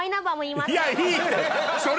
いやいいって！